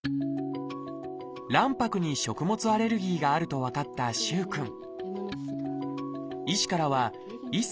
卵白に食物アレルギーがあると分かった萩くん。